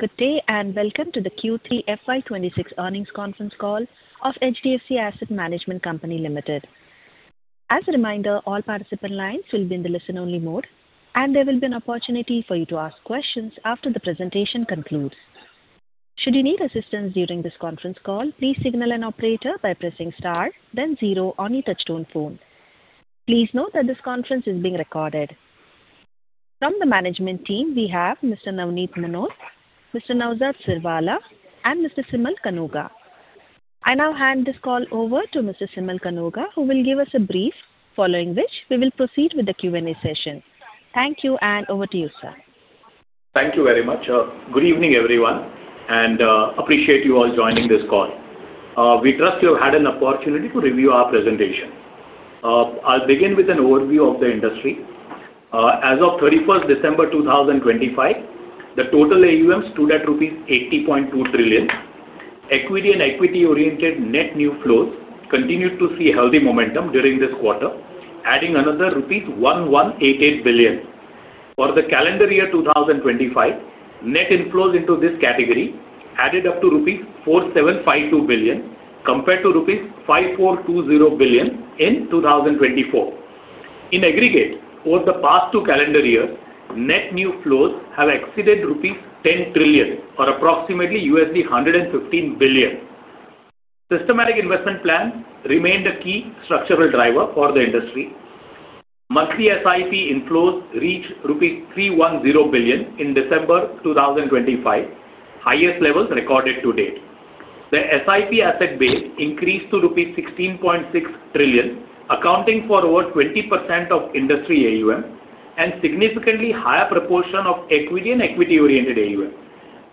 Good day and welcome to the Q3 FY26 earnings conference call of HDFC Asset Management Company Limited. As a reminder, all participant lines will be in the listen-only mode, and there will be an opportunity for you to ask questions after the presentation concludes. Should you need assistance during this conference call, please signal an operator by pressing star, then zero on your touchtone phone. Please note that this conference is being recorded. From the management team, we have Mr. Navneet Munot, Mr. Naozad Sirwalla, and Mr. Simal Kanuga. I now hand this call over to Mr. Simal Kanuga, who will give us a brief, following which we will proceed with the Q&A session. Thank you, and over to you, sir. Thank you very much. Good evening, everyone, and appreciate you all joining this call. We trust you have had an opportunity to review our presentation. I'll begin with an overview of the industry. As of 31st December 2025, the total AUM stood at ₹80.2 trillion. Equity and equity-oriented net new flows continued to see healthy momentum during this quarter, adding another ₹1188 billion. For the calendar year 2025, net inflows into this category added up to ₹4752 billion, compared to ₹5420 billion in 2024. In aggregate, over the past two calendar years, net new flows have exceeded ₹10 trillion, or approximately $115 billion. Systematic investment plans remained a key structural driver for the industry. Monthly SIP inflows reached ₹310 billion in December 2025, highest levels recorded to date. The SIP asset base increased to ₹16.6 trillion, accounting for over 20% of industry AUM and a significantly higher proportion of equity and equity-oriented AUM.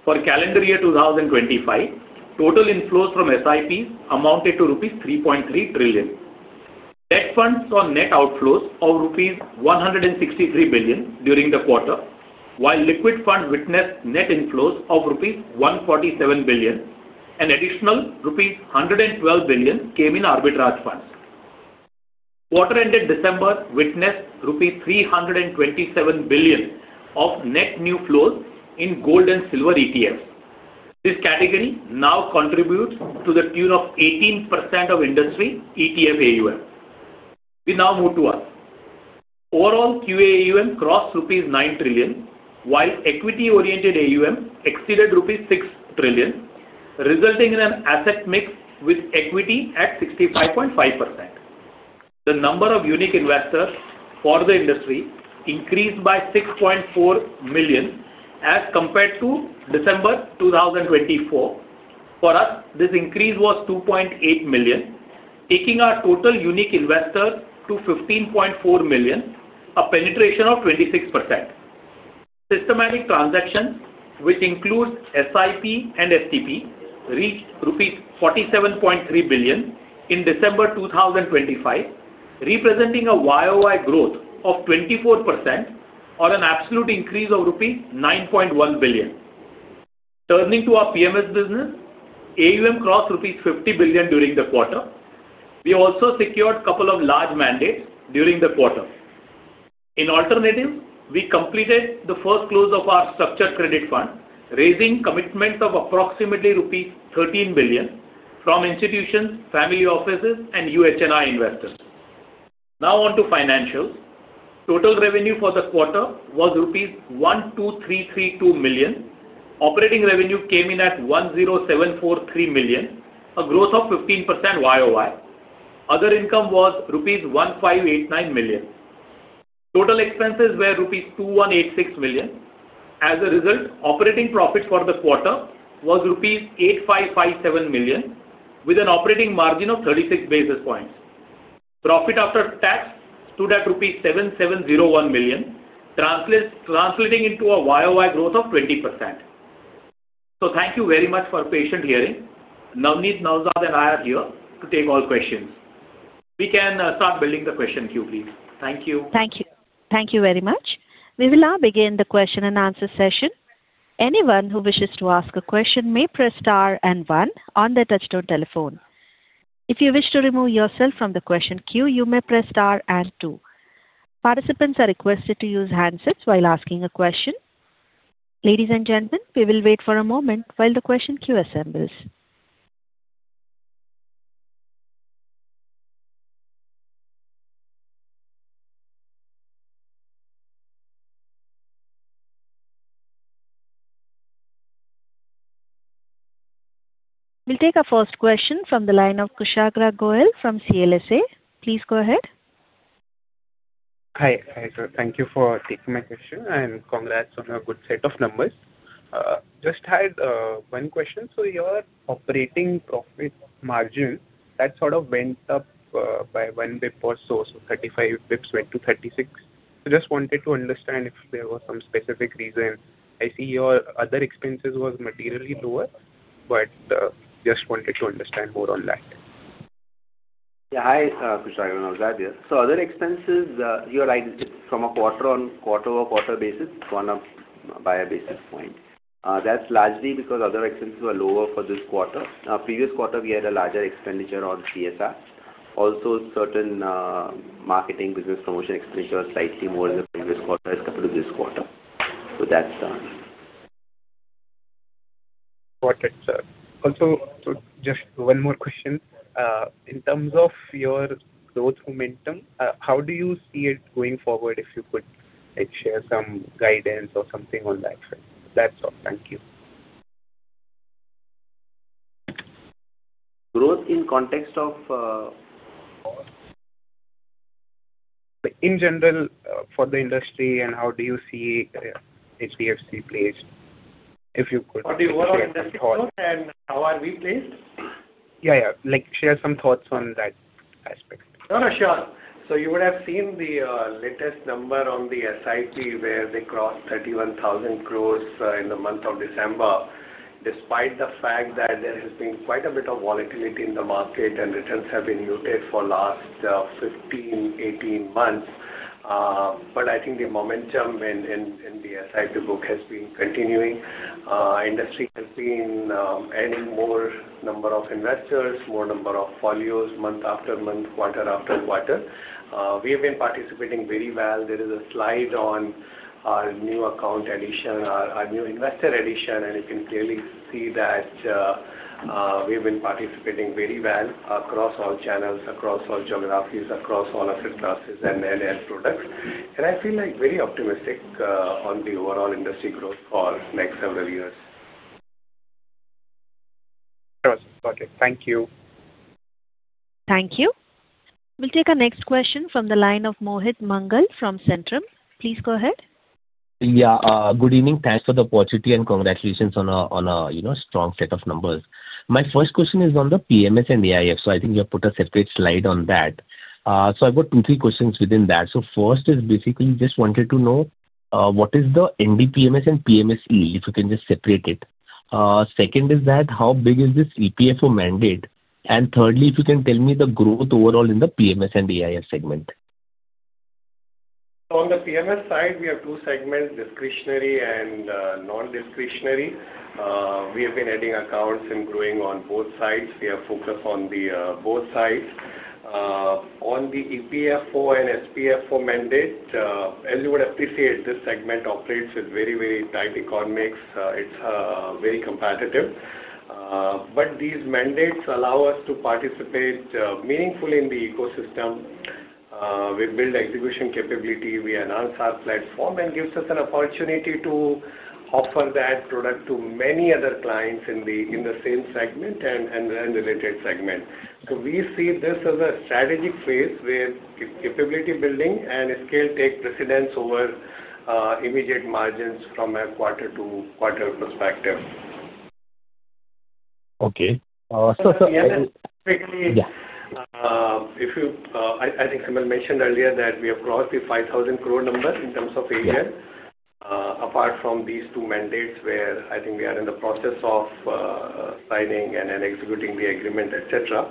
For calendar year 2025, total inflows from SIPs amounted to ₹3.3 trillion. Debt funds saw net outflows of ₹163 billion during the quarter, while liquid funds witnessed net inflows of ₹147 billion. An additional ₹112 billion came in arbitrage funds. Quarter-ended December witnessed ₹327 billion of net new flows in gold and silver ETFs. This category now contributes to the tune of 18% of industry ETF AUM. We now move to us. Overall, AAUM / QAAUM crossed ₹9 trillion, while equity-oriented AUM exceeded ₹6 trillion, resulting in an asset mix with equity at 65.5%. The number of unique investors for the industry increased by 6.4 million as compared to December 2024. For us, this increase was 2.8 million, taking our total unique investors to 15.4 million, a penetration of 26%. Systematic transactions, which includes SIP and STP, reached ₹47.3 billion in December 2025, representing a YOY growth of 24%, or an absolute increase of ₹9.1 billion. Turning to our PMS business, AUM crossed ₹50 billion during the quarter. We also secured a couple of large mandates during the quarter. In alternative, we completed the first close of our structured credit fund, raising commitments of approximately ₹13 billion from institutions, family offices, and UHNI investors. Now on to financials. Total revenue for the quarter was ₹12,332 million. Operating revenue came in at ₹10,743 million, a growth of 15% YOY. Other income was ₹1,589 million. Total expenses were ₹2,186 million. As a result, operating profit for the quarter was ₹8,557 million, with an operating margin of 36% basis points. Profit after tax stood at 7,701 million rupees, translating into a YOY growth of 20%. So thank you very much for patient hearing. Navneet Munot and Naozad Sirwalla and I are here to take all questions. We can start building the question queue, please. Thank you. Thank you. Thank you very much. We will now begin the question and answer session. Anyone who wishes to ask a question may press star and one on their touchtone telephone. If you wish to remove yourself from the question queue, you may press star and two. Participants are requested to use handsets while asking a question. Ladies and gentlemen, we will wait for a moment while the question queue assembles. We'll take our first question from the line of Kushagra Goyal from CLSA. Please go ahead. Hi, thank you for taking my question, and congrats on a good set of numbers. Just had one question. So your operating profit margin, that sort of went up by one basis point or so. So 35 basis points went to 36. So just wanted to understand if there was some specific reason. I see your other expenses were materially lower, but just wanted to understand more on that. Yeah, hi, Kushagra. Naozad here. So other expenses, you're right, it's up by one basis point on a quarter-over-quarter basis. That's largely because other expenses were lower for this quarter. Previous quarter, we had a larger expenditure on CSR. Also, certain marketing business promotion expenditure was slightly more in the previous quarter as compared to this quarter. So that's done. Got it, sir. Also, just one more question. In terms of your growth momentum, how do you see it going forward if you could share some guidance or something on that? That's all. Thank you. Growth in context of? In general, for the industry, and how do you see HDFC placed, if you could? How do you see overall industry growth and how are we placed? Yeah, yeah. Share some thoughts on that aspect. Sure, sure. So you would have seen the latest number on the SIP where they crossed 31,000 crores in the month of December, despite the fact that there has been quite a bit of volatility in the market and returns have been muted for the last 15, 18 months. But I think the momentum in the SIP book has been continuing. Industry has been adding more number of investors, more number of folios month after month, quarter after quarter. We have been participating very well. There is a slide on our new account addition, our new investor addition, and you can clearly see that we have been participating very well across all channels, across all geographies, across all asset classes and products. And I feel like very optimistic on the overall industry growth for the next several years. Got it. Thank you. Thank you. We'll take our next question from the line of Mohit Mangal from Centrum. Please go ahead. Yeah, good evening. Thanks for the opportunity and congratulations on a strong set of numbers. My first question is on the PMS and AIF. So I think you have put a separate slide on that. So I've got two, three questions within that. So first is basically just wanted to know what is the NDPMS and PMSE, if you can just separate it. Second is that how big is this EPFO mandate? And thirdly, if you can tell me the growth overall in the PMS and AIF segment. So on the PMS side, we have two segments, discretionary and non-discretionary. We have been adding accounts and growing on both sides. We have focused on both sides. On the EPFO and SPFO mandate, as you would appreciate, this segment operates with very, very tight economics. It's very competitive. But these mandates allow us to participate meaningfully in the ecosystem. We build execution capability. We announce our platform and gives us an opportunity to offer that product to many other clients in the same segment and related segment. So we see this as a strategic phase where capability building and scale take precedence over immediate margins from a quarter-to-quarter perspective. Okay. I think Simal mentioned earlier that we have crossed the 5,000 crore number in terms of AUM, apart from these two mandates where I think we are in the process of signing and executing the agreement, etc.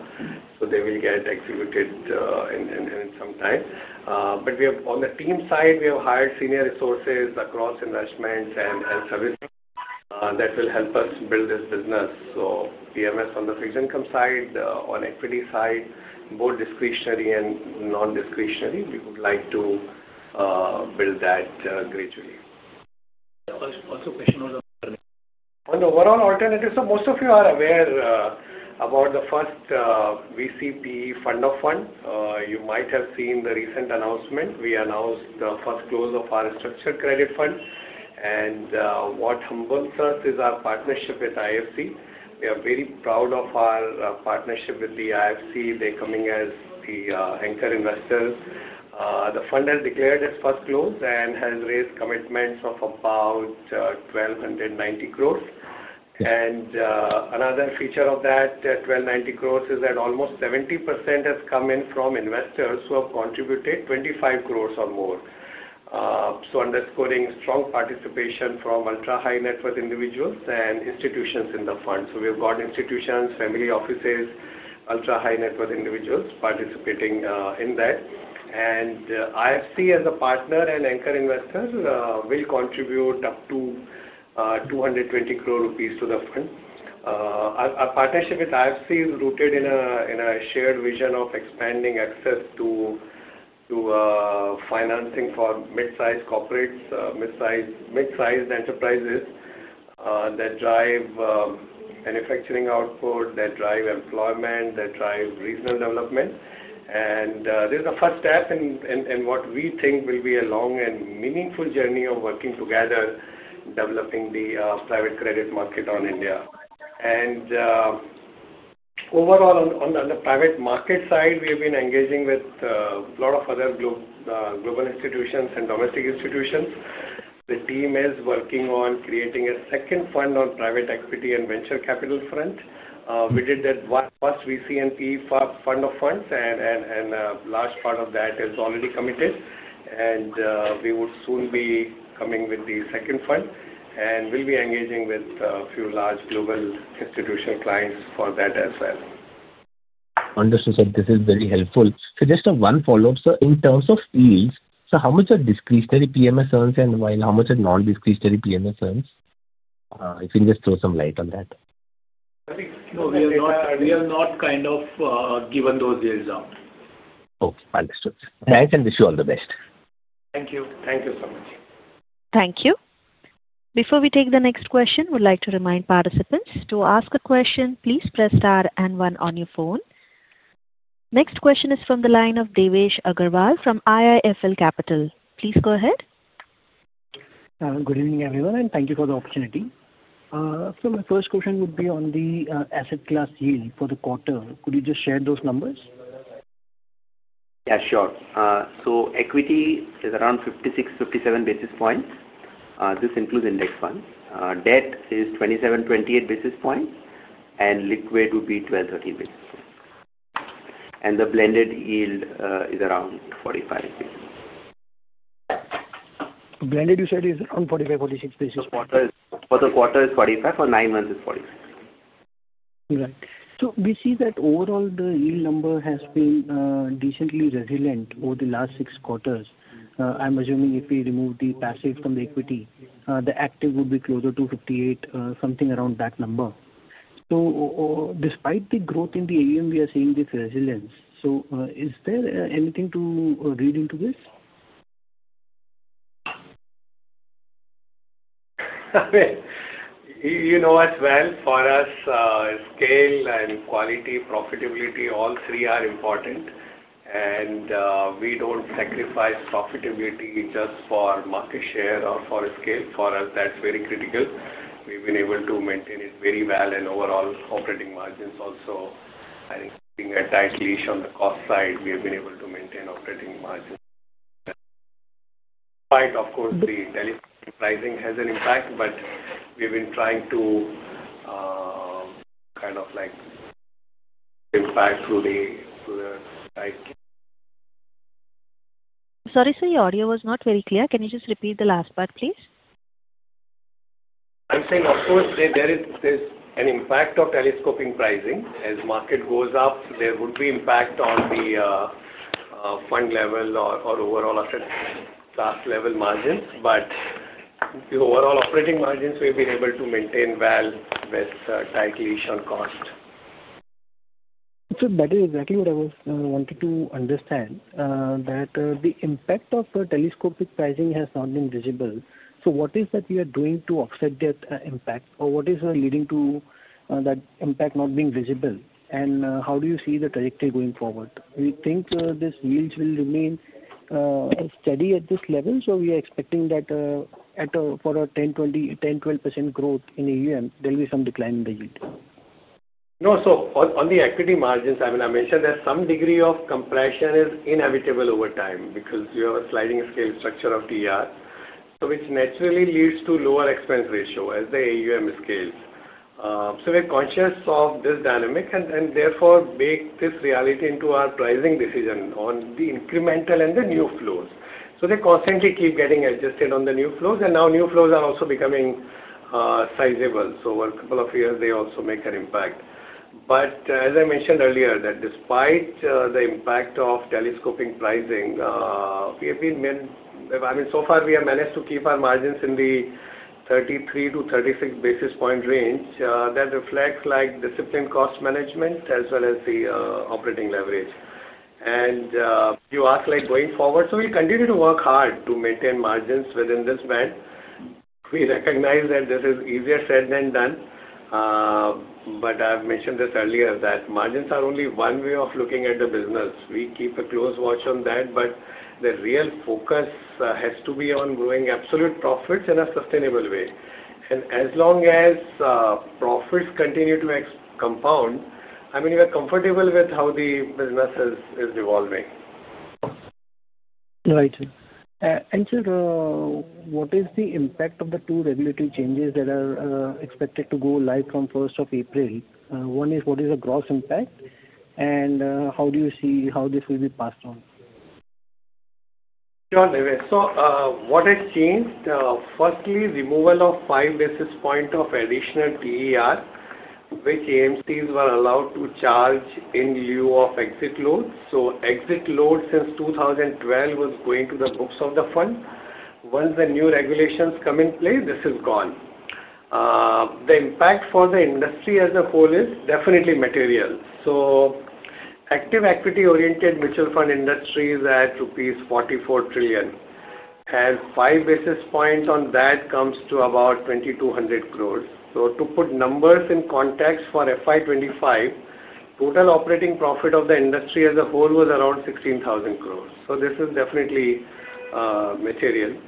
So they will get executed in some time. But on the team side, we have hired senior resources across investments and services that will help us build this business. So PMS on the fixed income side, on equity side, both discretionary and non-discretionary, we would like to build that gradually. Also question on the. On overall alternatives, so most of you are aware about the first VCP Fund of Fund. You might have seen the recent announcement. We announced the first close of our Structured Credit Fund. And what humbles us is our partnership with IFC. We are very proud of our partnership with the IFC. They're coming as the anchor investors. The fund has declared its first close and has raised commitments of about 1,290 crores. And another feature of that 1,290 crores is that almost 70% has come in from investors who have contributed 25 crores or more. So underscoring strong participation from ultra-high-net-worth individuals and institutions in the fund. So we have got institutions, family offices, ultra-high-net-worth individuals participating in that. And IFC, as a partner and anchor investor, will contribute up to 220 crore rupees to the fund. Our partnership with IFC is rooted in a shared vision of expanding access to financing for mid-sized corporates, mid-sized enterprises that drive manufacturing output, that drive employment, that drive regional development. This is the first step in what we think will be a long and meaningful journey of working together, developing the private credit market in India. Overall, on the private market side, we have been engaging with a lot of other global institutions and domestic institutions. The team is working on creating a second fund on private equity and venture capital front. We did that first VC and PE fund of funds, and a large part of that is already committed. We would soon be coming with the second fund, and we'll be engaging with a few large global institutional clients for that as well. Understood, sir. This is very helpful. So just one follow-up, sir. In terms of yields, so how much are discretionary PMS earns, and how much are non-discretionary PMS earns? If you can just throw some light on that. We are not kind of given those yields out. Okay. Understood. Thanks, and wish you all the best. Thank you. Thank you so much. Thank you. Before we take the next question, we'd like to remind participants to ask a question. Please press star and one on your phone. Next question is from the line of Devesh Agarwal from IIFL Capital. Please go ahead. Good evening, everyone, and thank you for the opportunity. So my first question would be on the asset class yield for the quarter. Could you just share those numbers? Yeah, sure. So equity is around 56-57 basis points. This includes index funds. Debt is 27-28 basis points, and liquid would be 12-13 basis points. And the blended yield is around 45 basis points. Blended, you said, is around 45, 46 basis points. For the quarter, it's 45. For nine months, it's 46. Right. So we see that overall, the yield number has been decently resilient over the last six quarters. I'm assuming if we remove the passive from the equity, the active would be closer to 58, something around that number. So despite the growth in the AUM, we are seeing this resilience. So is there anything to read into this? You know as well, for us, scale and quality, profitability, all three are important and we don't sacrifice profitability just for market share or for scale. For us, that's very critical. We've been able to maintain it very well and overall operating margins also. I think being a tight leash on the cost side, we have been able to maintain operating margins. Of course, the deliberate pricing has an impact, but we've been trying to kind of impact through the. Sorry, sir, your audio was not very clear. Can you just repeat the last part, please? I'm saying of course, there is an impact of telescopic pricing. As market goes up, there would be impact on the fund level or overall asset class level margins. But the overall operating margins, we've been able to maintain well with tight leash on cost. So that is exactly what I was wanting to understand, that the impact of telescopic pricing has not been visible. So what is that you are doing to offset that impact, or what is leading to that impact not being visible? And how do you see the trajectory going forward? Do you think this yield will remain steady at this level? So we are expecting that for a 10%-12% growth in AUM, there will be some decline in the yield. No. So on the equity margins, I mean, I mentioned that some degree of compression is inevitable over time because you have a sliding scale structure of TER, which naturally leads to lower expense ratio as the AUM scales. So we're conscious of this dynamic and therefore make this reality into our pricing decision on the incremental and the new flows. So they constantly keep getting adjusted on the new flows, and now new flows are also becoming sizable. So over a couple of years, they also make an impact. But as I mentioned earlier, that despite the impact of telescopic pricing, we have been, I mean, so far, we have managed to keep our margins in the 33-36 basis point range. That reflects disciplined cost management as well as the operating leverage. And you ask going forward, so we continue to work hard to maintain margins within this band. We recognize that this is easier said than done. But I've mentioned this earlier, that margins are only one way of looking at the business. We keep a close watch on that, but the real focus has to be on growing absolute profits in a sustainable way. And as long as profits continue to compound, I mean, we are comfortable with how the business is evolving. Right. And sir, what is the impact of the two regulatory changes that are expected to go live from 1st of April? One is, what is the gross impact, and how do you see how this will be passed on? Sure. So what has changed? Firstly, removal of five basis points of additional TER, which AMCs were allowed to charge in lieu of exit loads. So exit loads since 2012 were going to the books of the fund. Once the new regulations come in place, this is gone. The impact for the industry as a whole is definitely material. Active equity-oriented mutual fund industry is at rupees 44 trillion. And five basis points on that comes to about 2,200 crores. To put numbers in context for FY25, total operating profit of the industry as a whole was around 16,000 crores. This is definitely material.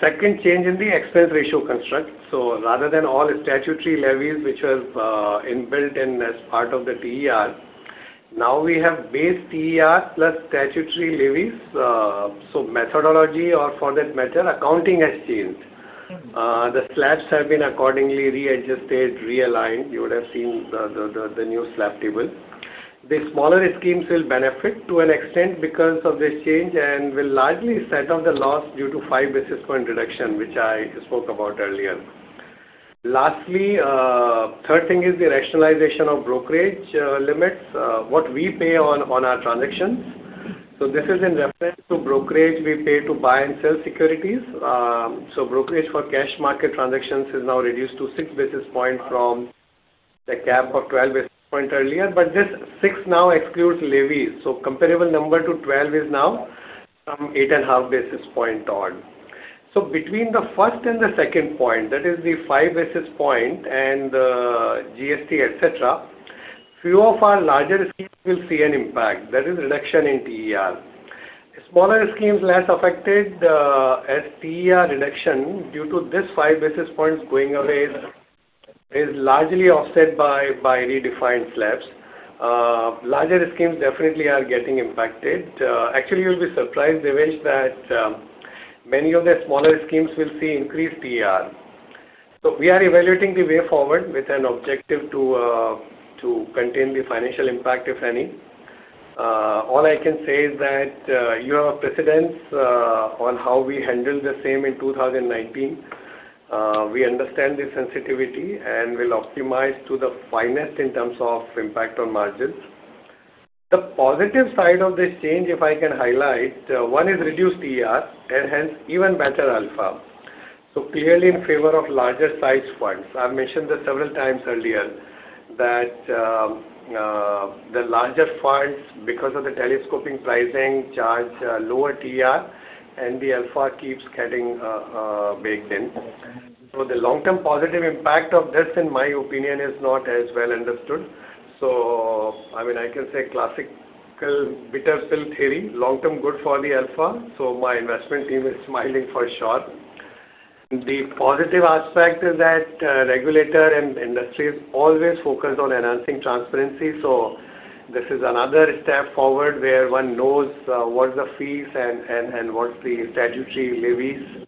Second change in the expense ratio construct. Rather than all statutory levies, which were inbuilt as part of the TER, now we have base TER plus statutory levies. Methodology or for that matter, accounting has changed. The slabs have been accordingly readjusted, realigned. You would have seen the new slab table. The smaller schemes will benefit to an extent because of this change and will largely set up the loss due to five basis points reduction, which I spoke about earlier. Lastly, third thing is the rationalization of brokerage limits, what we pay on our transactions. So this is in reference to brokerage we pay to buy and sell securities. So brokerage for cash market transactions is now reduced to six basis points from the cap of 12 basis points earlier. But this six now excludes levies. So comparable number to 12 is now from eight and a half basis points on. So between the first and the second point, that is the five basis points and the GST, etc. Few of our larger schemes will see an impact. That is reduction in TER. Smaller schemes less affected as TER reduction due to this five basis points going away is largely offset by redefined slabs. Larger schemes definitely are getting impacted. Actually, you'll be surprised, Devesh, that many of the smaller schemes will see increased TER. So we are evaluating the way forward with an objective to contain the financial impact, if any. All I can say is that you have a precedent on how we handled the same in 2019. We understand the sensitivity and will optimize to the finest in terms of impact on margins. The positive side of this change, if I can highlight, one is reduced TER and hence even better alpha. So clearly in favor of larger size funds. I've mentioned this several times earlier that the larger funds, because of the telescoping pricing, charge lower TER, and the alpha keeps getting baked in. So the long-term positive impact of this, in my opinion, is not as well understood. So I mean, I can say classical bitter pill theory, long-term good for the alpha. So my investment team is smiling for sure. The positive aspect is that regulator and industry is always focused on enhancing transparency. So this is another step forward where one knows what are the fees and what are the statutory levies.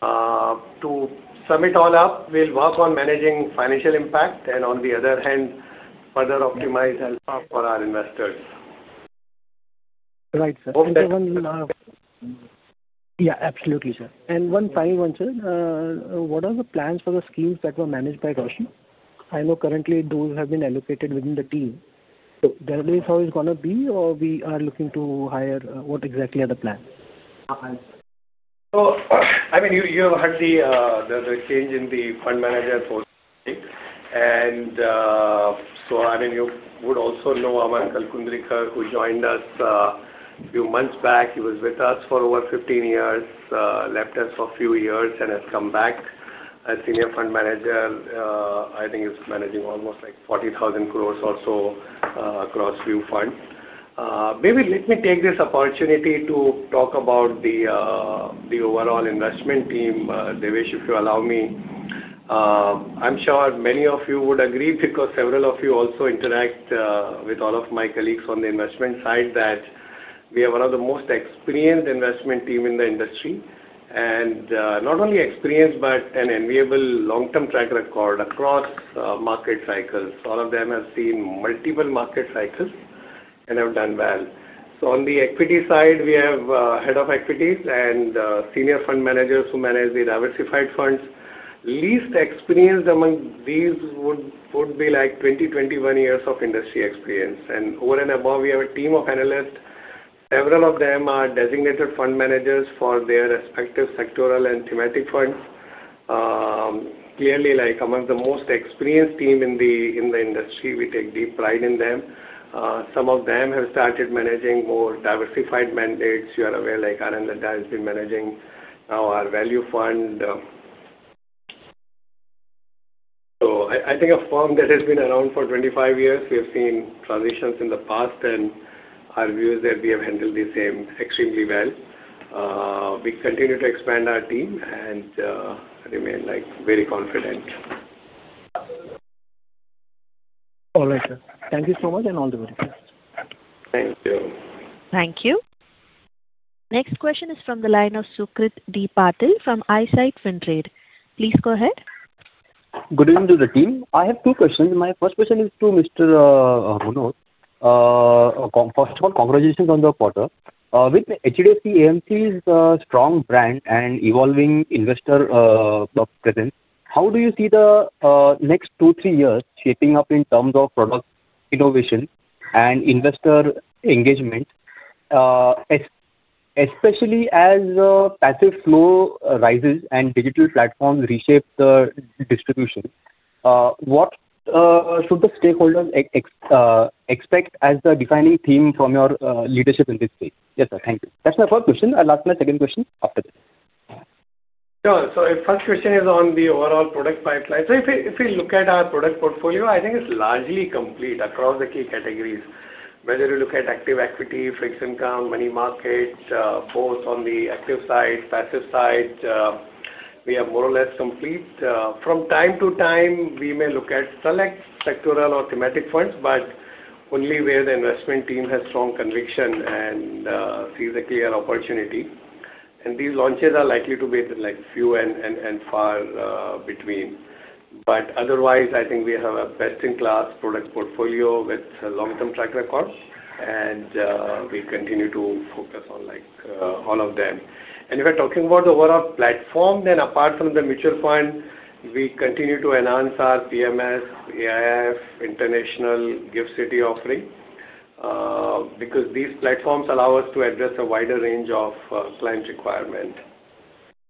To sum it all up, we'll work on managing financial impact and, on the other hand, further optimize alpha for our investors. Right, sir. Yeah, absolutely, sir. And one final one, sir. What are the plans for the schemes that were managed by Roshi? I know currently those have been allocated within the team. So that is how it's going to be, or we are looking to hire? What exactly are the plans? I mean, you have heard the change in the fund manager posting. I mean, you would also know Amar Kalkundrikar, who joined us a few months back. He was with us for over 15 years, left us for a few years, and has come back as senior fund manager. I think he's managing almost like 40,000 crores or so across equity funds. Maybe let me take this opportunity to talk about the overall investment team, Devesh, if you allow me. I'm sure many of you would agree because several of you also interact with all of my colleagues on the investment side that we are one of the most experienced investment teams in the industry. Not only experienced, but an enviable long-term track record across market cycles. All of them have seen multiple market cycles and have done well. So on the equity side, we have head of equities and senior fund managers who manage the diversified funds. Least experienced among these would be like 20, 21 years of industry experience. And over and above, we have a team of analysts. Several of them are designated fund managers for their respective sectoral and thematic funds. Clearly, among the most experienced teams in the industry, we take deep pride in them. Some of them have started managing more diversified mandates. You are aware, like Anand Laddha has been managing our value fund. So I think a firm that has been around for 25 years, we have seen transitions in the past, and our view is that we have handled the same extremely well. We continue to expand our team and remain very confident. All right, sir. Thank you so much and all the very best. Thank you. Thank you. Next question is from the line of Sukrit D. Patil from Eyesight Fintrade. Please go ahead. Good evening to the team. I have two questions. My first question is to Mr. Munot. First of all, congratulations on the quarter. With HDFC AMC's strong brand and evolving investor presence, how do you see the next two, three years shaping up in terms of product innovation and investor engagement, especially as passive flow rises and digital platforms reshape the distribution? What should the stakeholders expect as the defining theme from your leadership in this space? Yes, sir. Thank you. That's my first question. I'll ask my second question after this. The first question is on the overall product pipeline. If we look at our product portfolio, I think it's largely complete across the key categories. Whether you look at active equity, fixed income, money market, both on the active side, passive side, we are more or less complete. From time to time, we may look at select sectoral or thematic funds, but only where the investment team has strong conviction and sees a clear opportunity. These launches are likely to be few and far between. Otherwise, I think we have a best-in-class product portfolio with a long-term track record, and we continue to focus on all of them. If we're talking about the overall platform, then apart from the mutual fund, we continue to enhance our PMS, AIF, International GIFT City offering because these platforms allow us to address a wider range of client requirements.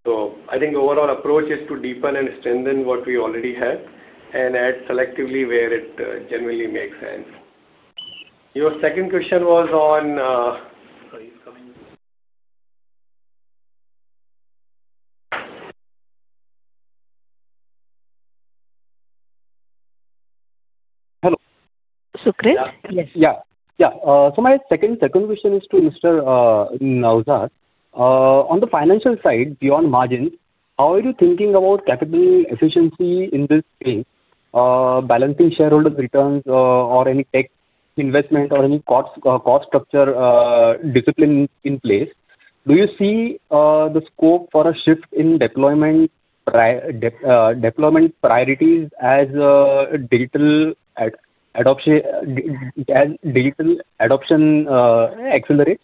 So I think the overall approach is to deepen and strengthen what we already have and add selectively where it genuinely makes sense. Your second question was on. Hello. Sukrit? Yeah. Yeah. So my second question is to Mr. Naozad. On the financial side, beyond margins, how are you thinking about capital efficiency in this space, balancing shareholders' returns or any tech investment or any cost structure discipline in place? Do you see the scope for a shift in deployment priorities as digital adoption accelerates?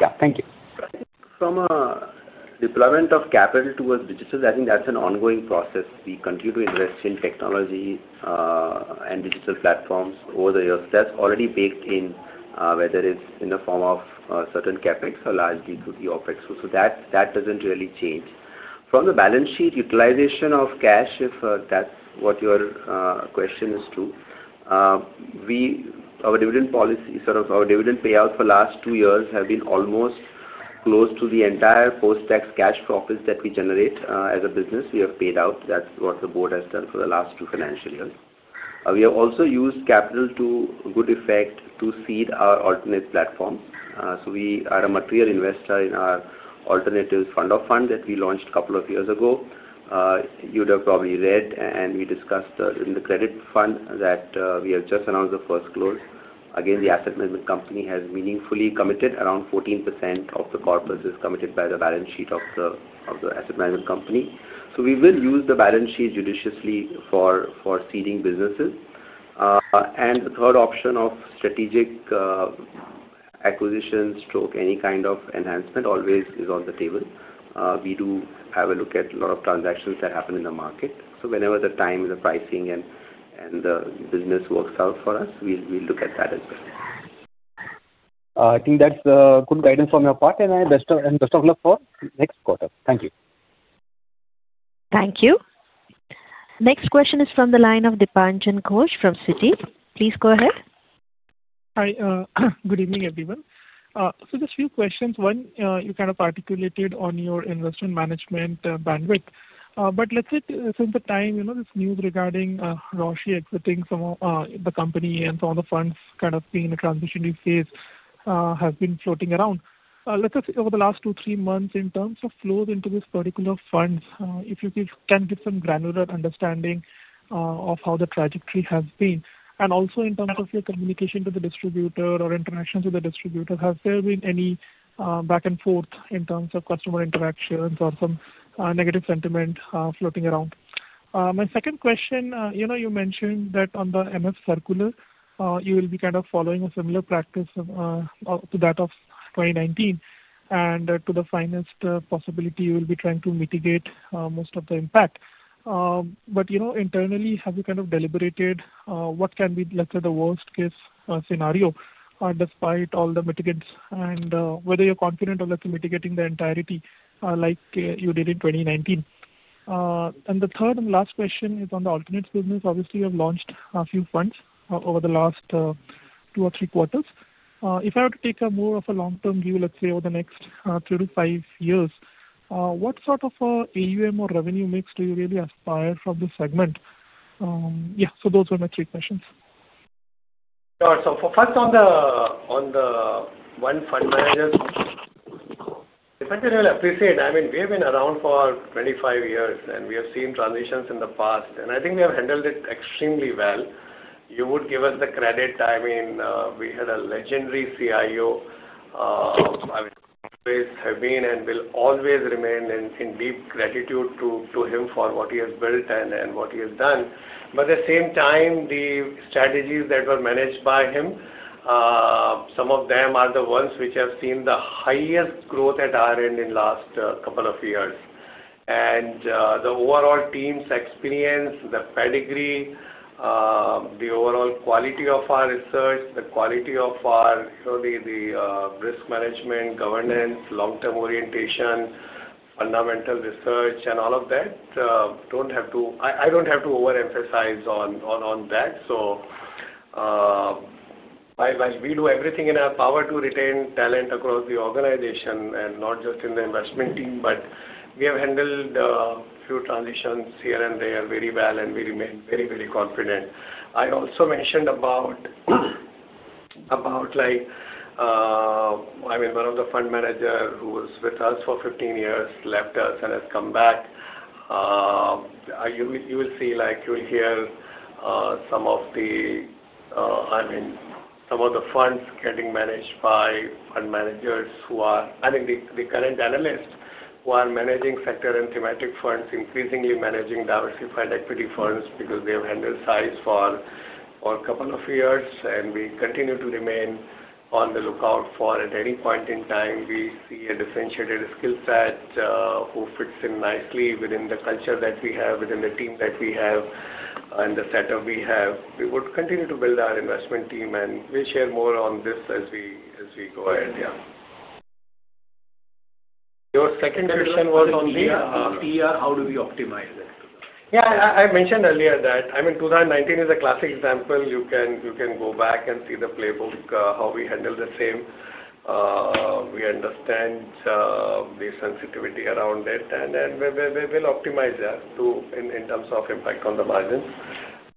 Yeah. Thank you. From a deployment of capital towards digital, I think that's an ongoing process. We continue to invest in technology and digital platforms over the years. That's already baked in, whether it's in the form of certain CapEx or large equity OpEx. So that doesn't really change. From the balance sheet utilization of cash, if that's what your question is to, our dividend policy, sort of our dividend payout for the last two years has been almost close to the entire post-tax cash profits that we generate as a business. We have paid out. That's what the board has done for the last two financial years. We have also used capital to good effect to seed our alternative platforms. So we are a material investor in our alternative fund of funds that we launched a couple of years ago. You would have probably read, and we discussed in the credit fund that we have just announced the first close. Again, the asset management company has meaningfully committed around 14% of the corpus is committed by the balance sheet of the asset management company. So we will use the balance sheet judiciously for seeding businesses. And the third option of strategic acquisitions or any kind of enhancement always is on the table. We do have a look at a lot of transactions that happen in the market. So whenever the time and the pricing and the business works out for us, we'll look at that as well. I think that's good guidance from your part, and best of luck for next quarter. Thank you. Thank you. Next question is from the line of Dipanjan Ghosh from Citi. Please go ahead. Hi. Good evening, everyone. So just a few questions. One, you kind of articulated on your investment management bandwidth. But since the time this news regarding Roshi exiting the company and some of the funds kind of being in a transition phase has been floating around, let's just say over the last two, three months, in terms of flows into this particular fund, if you can give some granular understanding of how the trajectory has been. And also in terms of your communication to the distributor or interactions with the distributor, has there been any back and forth in terms of customer interactions or some negative sentiment floating around? My second question, you mentioned that on the MF circular, you will be kind of following a similar practice to that of 2019. And to the finest possibility, you will be trying to mitigate most of the impact. But internally, have you kind of deliberated what can be, let's say, the worst-case scenario despite all the mitigants and whether you're confident of, let's say, mitigating the entirety like you did in 2019? And the third and last question is on the alternatives business. Obviously, you have launched a few funds over the last two or three quarters. If I were to take more of a long-term view, let's say, over the next three to five years, what sort of AUM or revenue mix do you really aspire from the segment? Yeah. So those were my three questions. Sure. So first, on the one fund manager, if I can really appreciate. I mean, we have been around for 25 years, and we have seen transitions in the past. And I think we have handled it extremely well. You would give us the credit. I mean, we had a legendary CIO. I mean, we have always have been and will always remain in deep gratitude to him for what he has built and what he has done. But at the same time, the strategies that were managed by him, some of them are the ones which have seen the highest growth at our end in the last couple of years. And the overall team's experience, the pedigree, the overall quality of our research, the quality of our risk management, governance, long-term orientation, fundamental research, and all of that. I don't have to overemphasize on that. So we do everything in our power to retain talent across the organization and not just in the investment team, but we have handled a few transitions here and there very well, and we remain very, very confident. I also mentioned about, I mean, one of the fund managers who was with us for 15 years left us and has come back. You will see, you will hear some of the, I mean, some of the funds getting managed by fund managers who are, I think, the current analysts who are managing sector and thematic funds, increasingly managing diversified equity funds because they have handled size for a couple of years. And we continue to remain on the lookout for, at any point in time, we see a differentiated skill set who fits in nicely within the culture that we have, within the team that we have, and the setup we have. We would continue to build our investment team, and we'll share more on this as we go ahead. Yeah. Your second question was on the PR. How do we optimize it? Yeah. I mentioned earlier that, I mean, 2019 is a classic example. You can go back and see the playbook, how we handle the same. We understand the sensitivity around it, and we will optimize that in terms of impact on the margins.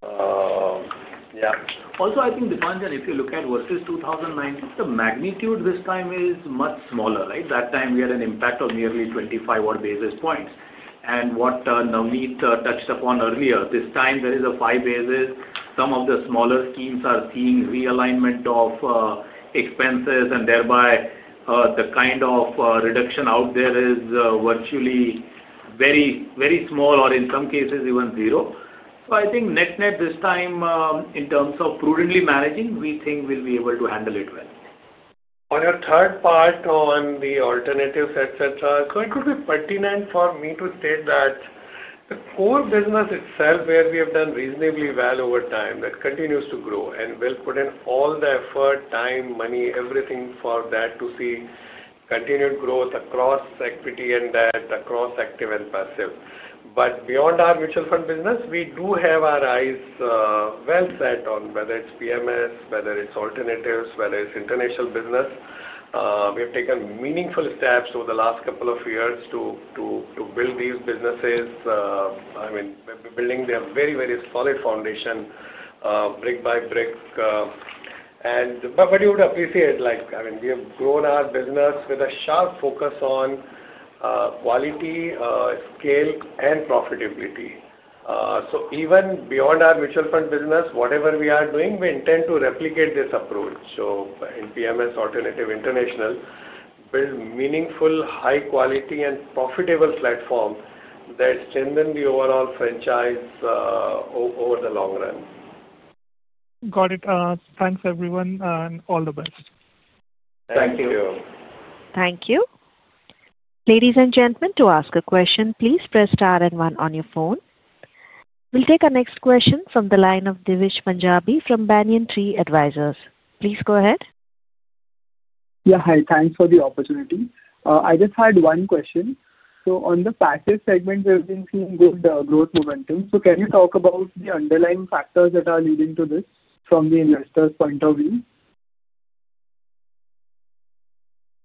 Yeah. Also, I think, Dipanjan, if you look at versus 2019, the magnitude this time is much smaller, right? That time, we had an impact of nearly 25-odd basis points. What Navneet touched upon earlier, this time, there is a five basis points. Some of the smaller schemes are seeing realignment of expenses, and thereby, the kind of reduction out there is virtually very small or, in some cases, even zero. I think net-net this time, in terms of prudently managing, we think we'll be able to handle it well. On your third part on the alternatives, etc., it would be pertinent for me to state that the core business itself, where we have done reasonably well over time, that continues to grow, and we'll put in all the effort, time, money, everything for that to see continued growth across equity and debt, across active and passive. Beyond our mutual fund business, we do have our eyes well set on whether it's PMS, whether it's alternatives, whether it's international business. We have taken meaningful steps over the last couple of years to build these businesses. I mean, we're building their very, very solid foundation, brick by brick. But you would appreciate, I mean, we have grown our business with a sharp focus on quality, scale, and profitability. So even beyond our mutual fund business, whatever we are doing, we intend to replicate this approach. So in PMS, alternative international, build meaningful, high-quality, and profitable platforms that strengthen the overall franchise over the long run. Got it. Thanks, everyone, and all the best. Thank you. Thank you. Ladies and gentlemen, to ask a question, please press star and one on your phone. We'll take our next question from the line of Divish Punjabi from Banyan Tree Advisors. Please go ahead. Yeah. Hi. Thanks for the opportunity. I just had one question. So on the passive segment, we've been seeing good growth momentum. So can you talk about the underlying factors that are leading to this from the investor's point of view?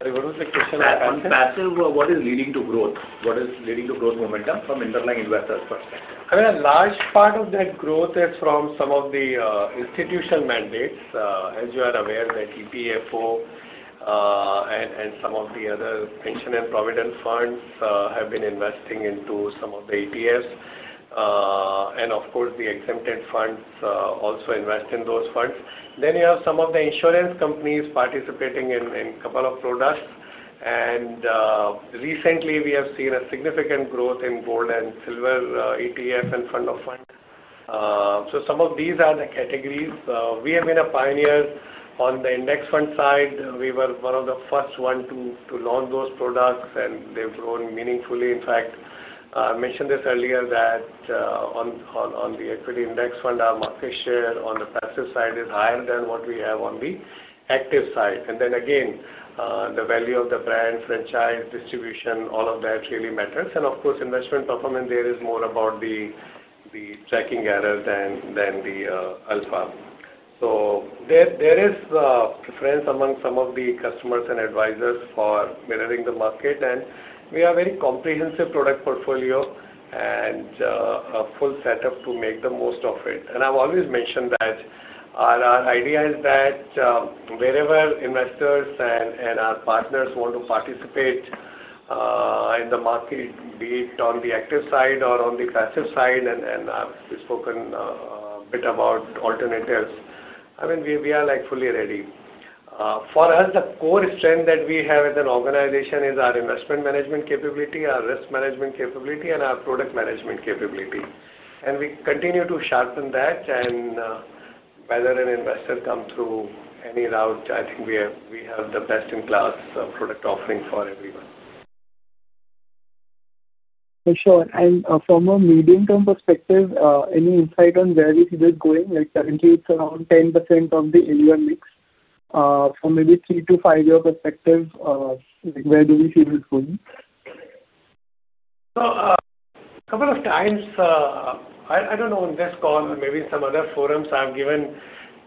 What was the question? Passive, what is leading to growth? What is leading to growth momentum from an underlying investor's perspective? I mean, a large part of that growth is from some of the institutional mandates. As you are aware, the EPFO and some of the other pension and provident funds have been investing into some of the ETFs. And of course, the exempted funds also invest in those funds. Then you have some of the insurance companies participating in a couple of products. And recently, we have seen a significant growth in gold and silver ETF and fund of funds. So some of these are the categories. We have been a pioneer on the index fund side. We were one of the first ones to launch those products, and they've grown meaningfully. In fact, I mentioned this earlier that on the equity index fund, our market share on the passive side is higher than what we have on the active side, and then again, the value of the brand, franchise, distribution, all of that really matters. Of course, investment performance there is more about the tracking error than the alpha, so there is a preference among some of the customers and advisors for mirroring the market. We have a very comprehensive product portfolio and a full setup to make the most of it. I've always mentioned that our idea is that wherever investors and our partners want to participate in the market, be it on the active side or on the passive side, and we've spoken a bit about alternatives. I mean, we are fully ready. For us, the core strength that we have as an organization is our investment management capability, our risk management capability, and our product management capability. And we continue to sharpen that. And whether an investor comes through any route, I think we have the best-in-class product offering for everyone. For sure. And from a medium-term perspective, any insight on where we see this going? Currently, it's around 10% of the AUM mix. From maybe three- to five-year perspective, where do we see this going? So, a couple of times, I don't know, on this call and maybe in some other forums, I've given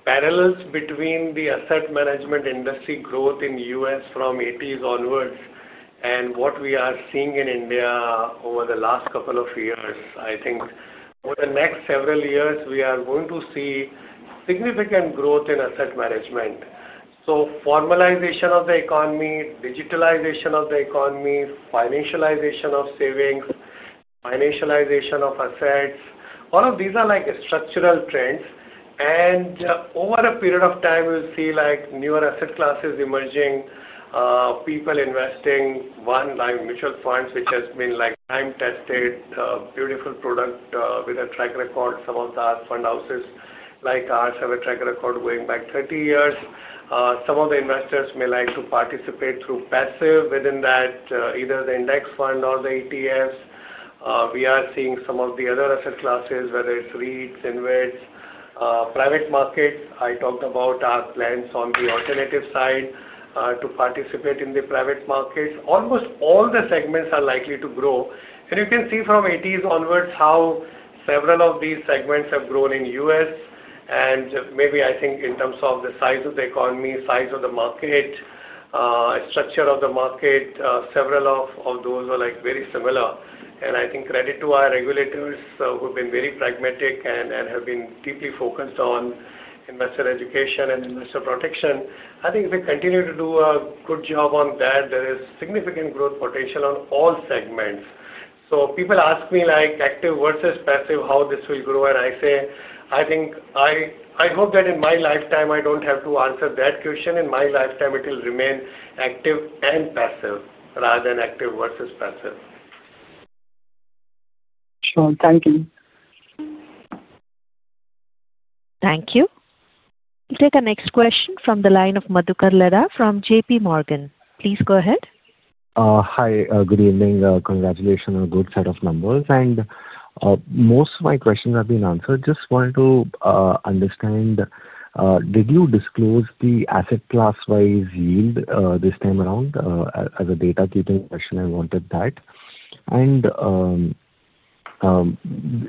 parallels between the asset management industry growth in the US from the 1980s onwards and what we are seeing in India over the last couple of years. I think over the next several years, we are going to see significant growth in asset management. Formalization of the economy, digitalization of the economy, financialization of savings, financialization of assets, all of these are structural trends. Over a period of time, we'll see newer asset classes emerging, people investing in mutual funds, which has been time-tested, a beautiful product with a track record. Some of the fund houses like ours have a track record going back 30 years. Some of the investors may like to participate through passive within that, either the index fund or the ETFs. We are seeing some of the other asset classes, whether it's REITs, InvITs, private markets. I talked about our plans on the alternative side to participate in the private markets. Almost all the segments are likely to grow. And you can see from 1980s onwards how several of these segments have grown in the U.S. And maybe, I think, in terms of the size of the economy, size of the market, structure of the market, several of those are very similar. And I think credit to our regulators who have been very pragmatic and have been deeply focused on investor education and investor protection. I think if we continue to do a good job on that, there is significant growth potential on all segments. So people ask me active versus passive, how this will grow, and I say, I think I hope that in my lifetime, I don't have to answer that question. In my lifetime, it will remain active and passive rather than active versus passive. Sure. Thank you. Thank you. We'll take our next question from the line of Madhukar Ladha from JPMorgan. Please go ahead. Hi. Good evening. Congratulations on a good set of numbers, and most of my questions have been answered. Just wanted to understand, did you disclose the asset class-wise yield this time around? As a data-keeping question, I wanted that, and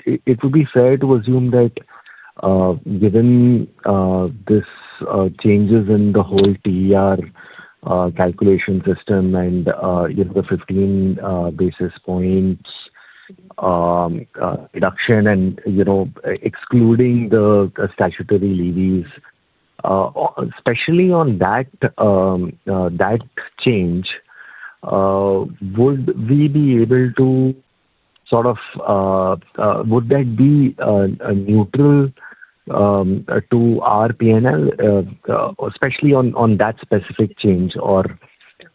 it would be fair to assume that given these changes in the whole TER calculation system and the 15 basis points deduction and excluding the statutory levies, especially on that change, would we be able to sort of, would that be neutral to our P&L, especially on that specific change? Or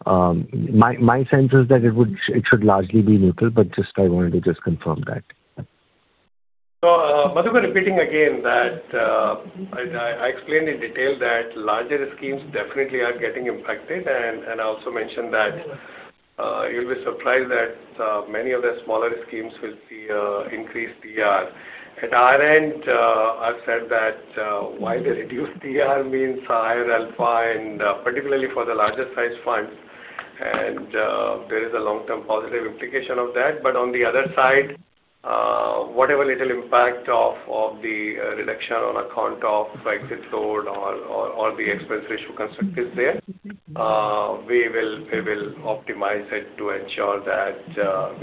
my sense is that it should largely be neutral, but just I wanted to just confirm that. So, Madhukar, repeating again that I explained in detail that larger schemes definitely are getting impacted. And I also mentioned that you'll be surprised that many of the smaller schemes will see increased TER. At our end, I've said that while the reduced TER means higher alpha, and particularly for the larger-sized funds, there is a long-term positive implication of that. But on the other side, whatever little impact of the reduction on account of exit load or the expense ratio construct is there, we will optimize it to ensure that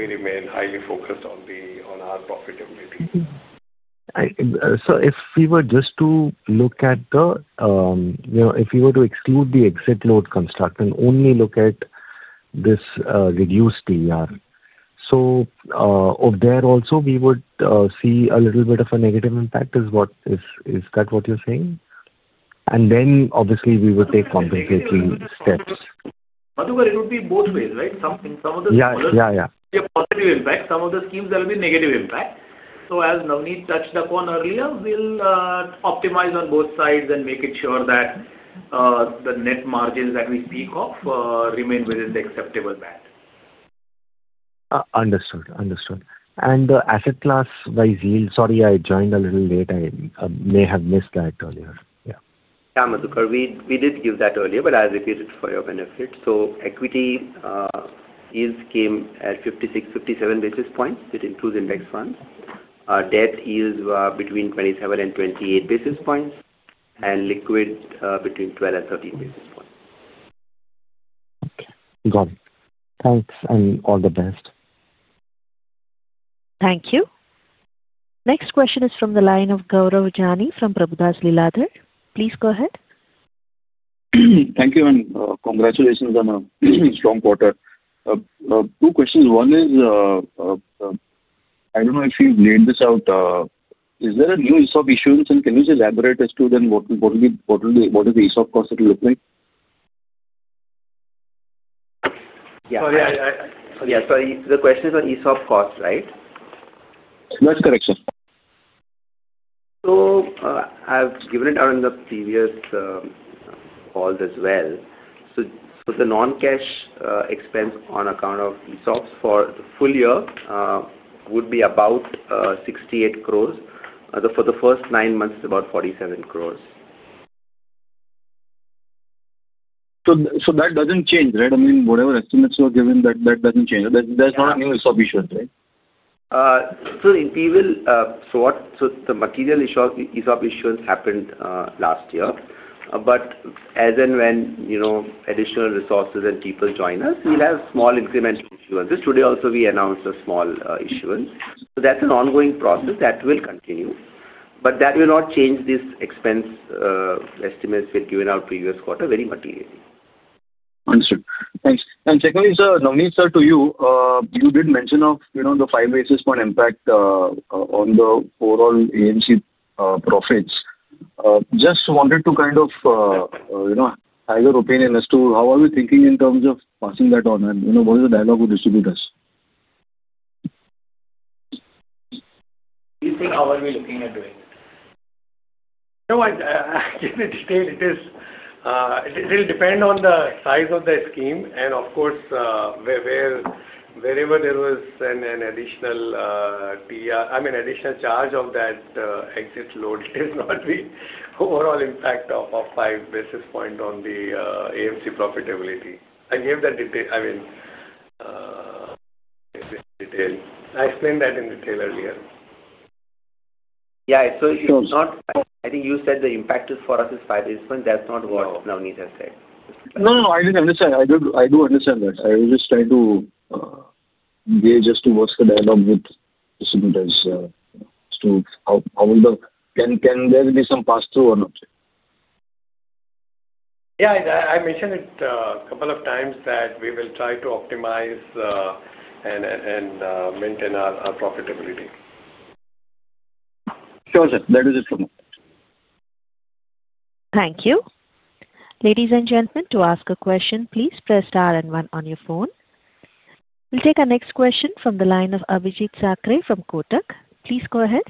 we remain highly focused on our profitability. So if we were to exclude the exit load construct and only look at this reduced TER, so there also, we would see a little bit of a negative impact. Is that what you're saying? And then, obviously, we would take compensating steps. Madhukar, it would be both ways, right? In some of the schemes. Yeah, yeah, yeah. There will be a positive impact. Some of the schemes, there will be negative impact. So as Navneet touched upon earlier, we'll optimize on both sides and make it sure that the net margins that we speak of remain within the acceptable band. Understood. Understood. And the asset class-wise yield, sorry, I joined a little late. I may have missed that earlier. Yeah. Yeah, Madhukar. We did give that earlier, but I repeated it for your benefit. So equity yields came at 56, 57 basis points. It includes index funds. Debt yields were between 27 and 28 basis points. And liquid between 12 and 13 basis points. Got it. Thanks. And all the best. Thank you. Next question is from the line of Gaurav Jani from Prabhudas Lilladher. Please go ahead. Thank you. And congratulations on a strong quarter. Two questions. One is, I don't know if you've laid this out. Is there a new ESOP issuance? And can you just elaborate as to then what does the ESOP cost look like? Yeah. Yeah. So the question is on ESOP cost, right? That's correct, sir. I've given it out in the previous calls as well. The non-cash expense on account of ESOPs for the full year would be about 68 crores. For the first nine months, it's about 47 crores. So that doesn't change, right? I mean, whatever estimates were given, that doesn't change. There's not a new ESOP issuance, right? So the material ESOP issuance happened last year. But as and when additional resources and people join us, we'll have small incremental issuances. Today, also, we announced a small issuance. So that's an ongoing process that will continue. But that will not change these expense estimates we've given out previous quarter very materially. Understood. Thanks. And secondly, Navneet sir, to you, you did mention the five basis points impact on the overall AMC profits. Just wanted to kind of have your opinion as to how are we thinking in terms of passing that on, and what is the dialogue with distributors? Do you think how are we looking at doing it? No, I can't say. It will depend on the size of the scheme. And of course, wherever there was an additional TER, I mean, additional charge of that exit load, it is not the overall impact of five basis points on the AMC profitability. I gave that detail. I mean, I explained that in detail earlier. Yeah. So it's not. I think you said the impact for us is five basis points. That's not what Navneet has said. No, no, no. I didn't understand. I do understand that. I was just trying to engage as to what's the dialogue with distributors as to how will the-can there be some pass-through or not? Yeah. I mentioned it a couple of times that we will try to optimize and maintain our profitability. Sure, sir. That is it for me. Thank you. Ladies and gentlemen, to ask a question, please press star and one on your phone. We'll take our next question from the line of Abhijeet Sakhare from Kotak. Please go ahead.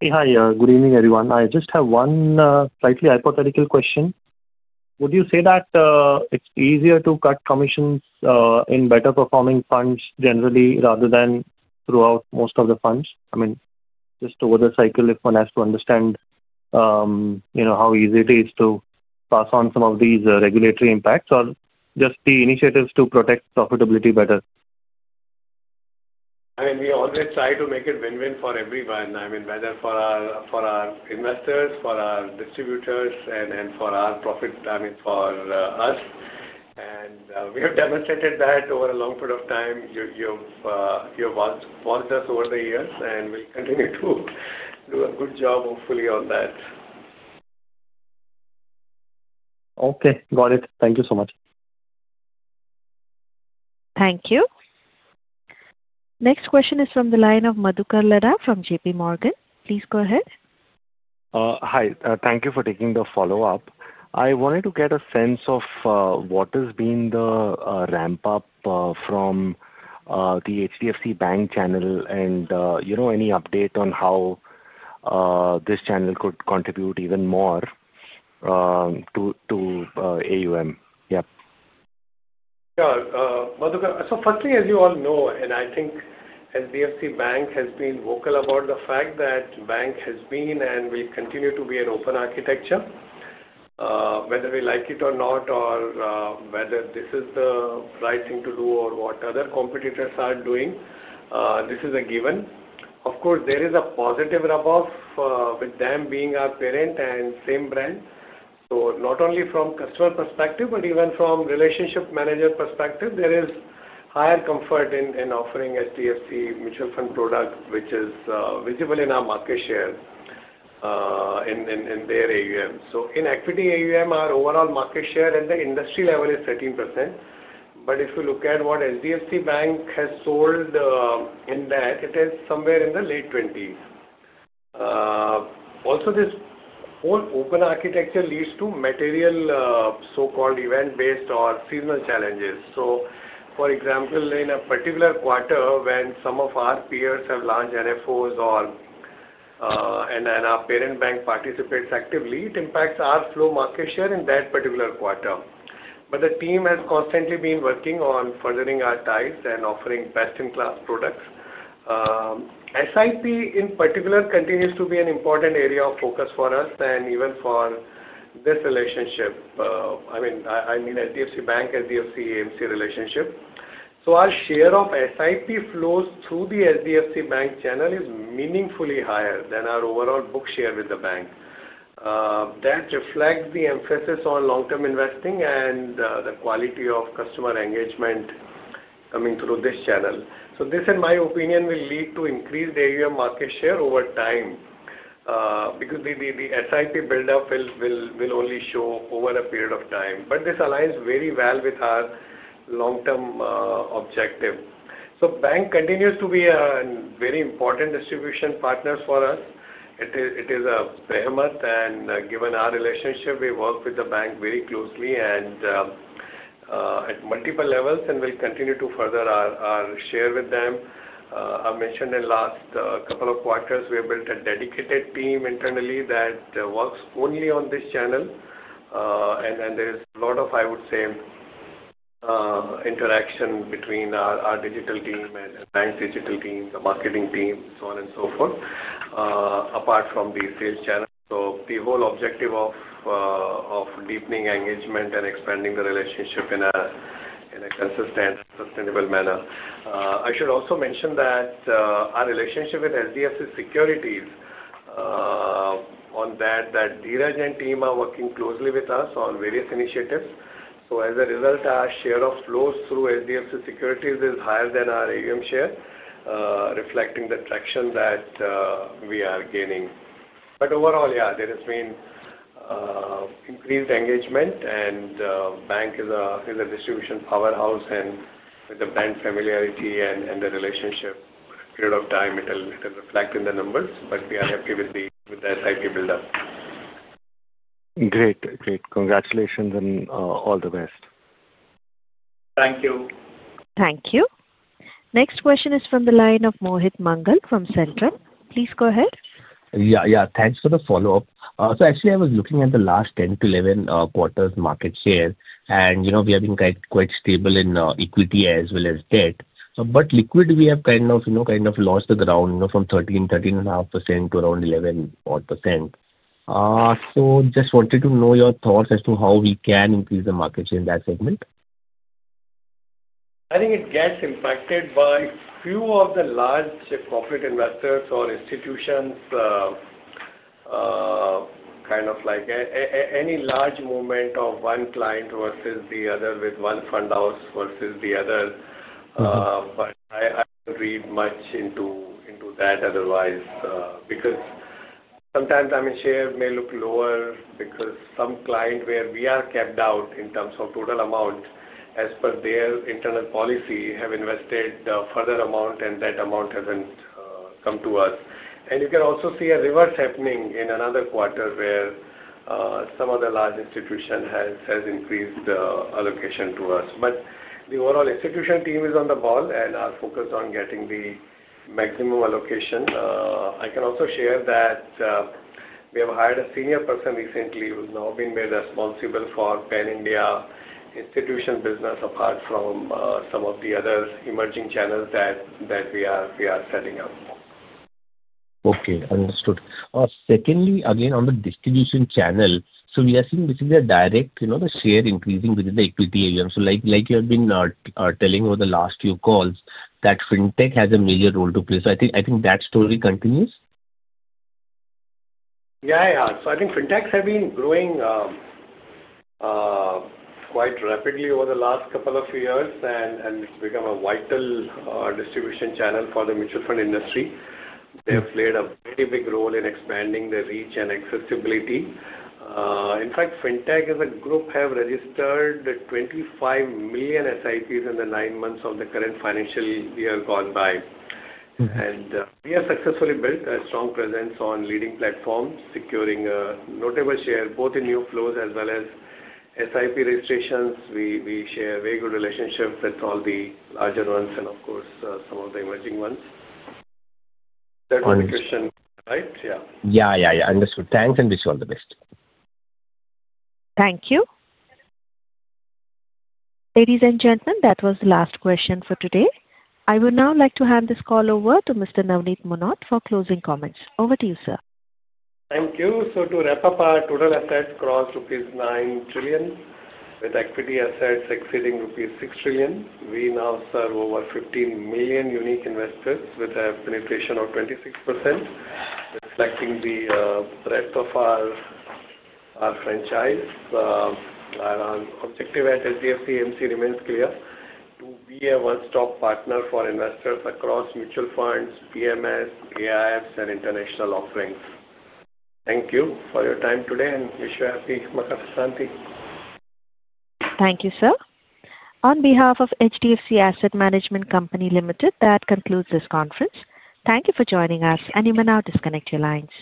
Hey, hi. Good evening, everyone. I just have one slightly hypothetical question. Would you say that it's easier to cut commissions in better-performing funds generally rather than throughout most of the funds? I mean, just over the cycle, if one has to understand how easy it is to pass on some of these regulatory impacts or just the initiatives to protect profitability better? I mean, we always try to make it win-win for everyone. I mean, whether for our investors, for our distributors, and for our profit, I mean, for us. And we have demonstrated that over a long period of time. You've watched us over the years, and we'll continue to do a good job, hopefully, on that. Okay. Got it. Thank you so much. Thank you. Next question is from the line of Madhukar Ladha from JPMorgan. Please go ahead. Hi. Thank you for taking the follow-up. I wanted to get a sense of what has been the ramp-up from the HDFC Bank channel and any update on how this channel could contribute even more to AUM. Yeah. Yeah. Madhukar, so firstly, as you all know, and I think HDFC Bank has been vocal about the fact that the bank has been and will continue to be an open architecture. Whether we like it or not, or whether this is the right thing to do or what other competitors are doing, this is a given. Of course, there is a positive rub-off with them being our parent and same brand. So not only from customer perspective, but even from relationship manager perspective, there is higher comfort in offering HDFC mutual fund product, which is visible in our market share in their AUM. So in equity AUM, our overall market share at the industry level is 13%. But if you look at what HDFC Bank has sold in that, it is somewhere in the late 20s. Also, this whole open architecture leads to material so-called event-based or seasonal challenges. For example, in a particular quarter, when some of our peers have launched NFOs and our parent bank participates actively, it impacts our flow market share in that particular quarter. But the team has constantly been working on furthering our ties and offering best-in-class products. SIP, in particular, continues to be an important area of focus for us and even for this relationship. I mean HDFC Bank-HDFC-AMC relationship. So our share of SIP flows through the HDFC Bank channel is meaningfully higher than our overall book share with the bank. That reflects the emphasis on long-term investing and the quality of customer engagement coming through this channel. So this, in my opinion, will lead to increased AUM market share over time because the SIP build-up will only show over a period of time. But this aligns very well with our long-term objective. So bank continues to be a very important distribution partner for us. It is a behemoth. And given our relationship, we work with the bank very closely at multiple levels and will continue to further our share with them. I mentioned in the last couple of quarters, we have built a dedicated team internally that works only on this channel. And there is a lot of, I would say, interaction between our digital team and the bank's digital team, the marketing team, so on and so forth, apart from the sales channel. So the whole objective of deepening engagement and expanding the relationship in a consistent and sustainable manner. I should also mention that our relationship with HDFC Securities on that, that Dhiraj and team are working closely with us on various initiatives. So as a result, our share of flows through HDFC Securities is higher than our AUM share, reflecting the traction that we are gaining. But overall, yeah, there has been increased engagement, and the bank is a distribution powerhouse, with the brand familiarity and the relationship. Over a period of time, it'll reflect in the numbers, but we are happy with the SIP build-up. Great. Great. Congratulations and all the best. Thank you. Thank you. Next question is from the line of Mohit Mangal from Centrum. Please go ahead. Thanks for the follow-up. So actually, I was looking at the last 10 to 11 quarters' market share, and we have been quite stable in equity as well as debt. But liquid, we have kind of lost the ground from 13%-13.5% to around 11%-12%. So just wanted to know your thoughts as to how we can increase the market share in that segment. I think it gets impacted by few of the large corporate investors or institutions, kind of like any large movement of one client versus the other with one fund house versus the other. But I don't read much into that otherwise because sometimes I mean, share may look lower because some client where we are kept out in terms of total amount, as per their internal policy, have invested a further amount, and that amount hasn't come to us. And you can also see a reverse happening in another quarter where some of the large institutions have increased the allocation to us. But the overall institution team is on the ball and are focused on getting the maximum allocation. I can also share that we have hired a senior person recently who's now been made responsible for Pan India Institutional Business apart from some of the other emerging channels that we are setting up. Okay. Understood. Secondly, again, on the distribution channel, so we are seeing basically a direct share increasing within the equity AUM. So like you have been telling over the last few calls, that fintech has a major role to play. So I think that story continues. Yeah. Yeah. So I think fintechs have been growing quite rapidly over the last couple of years and become a vital distribution channel for the mutual fund industry. They have played a very big role in expanding the reach and accessibility. In fact, fintech as a group have registered 25 million SIPs in the nine months of the current financial year gone by. And we have successfully built a strong presence on leading platforms, securing a notable share both in new flows as well as SIP registrations. We share very good relationships with all the larger ones and, of course, some of the emerging ones. That was the question, right? Yeah. Yeah. Yeah. Yeah. Understood. Thanks, and wish you all the best. Thank you. Ladies and gentlemen, that was the last question for today. I would now like to hand this call over to Mr. Navneet Munot for closing comments. Over to you, sir. Thank you. So to wrap up, our total assets crossed rupees 9 trillion, with equity assets exceeding rupees 6 trillion. We now serve over 15 million unique investors with a penetration of 26%, reflecting the breadth of our franchise. Our objective at HDFC AMC remains clear: to be a one-stop partner for investors across mutual funds, PMS, AIFs, and international offerings. Thank you for your time today, and wish you a happy Makar Sankranti. Thank you, sir. On behalf of HDFC Asset Management Company Limited, that concludes this conference. Thank you for joining us, and you may now disconnect your lines.